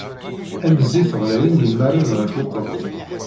Am zzit ɣlayen yemmaren ɣef uqerru.